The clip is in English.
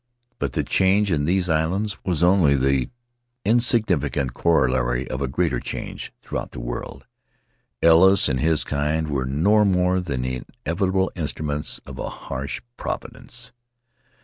But the change in these islands was only the insignificant corollary of a greater change through out the world; Ellis and his kind were no more than the inevitable instruments of a harsh Providence.